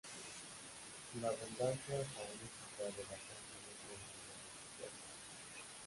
La abundancia faunística de la zona le dio el nombre a esta tierra.